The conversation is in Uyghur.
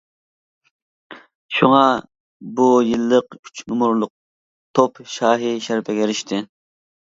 شۇڭا بۇ يىللىق «ئۈچ نومۇرلۇق توپ شاھى» شەرىپىگە ئېرىشتى.